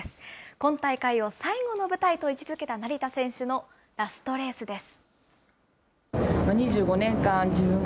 今大会を最後の舞台と位置づけた成田選手のラストレースです。